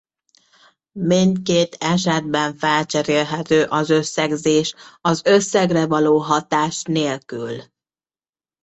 Mindkét esetben felcserélhető az összegzés az összegre való hatás nélkül.